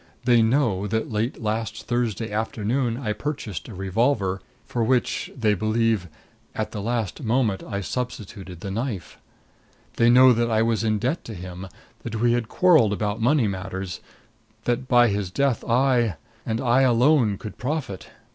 They know that late last Thursday afternoon I purchased a revolver, for which, they believe, at the last moment I substituted the knife. They know that I was in debt to him; that we had quarreled about money matters; that by his death I, and I alone, could profit."